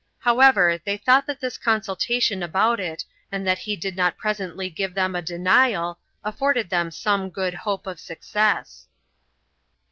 However, they thought that this consultation about it, and that he did not presently give them a denial, afforded them some good hope of success.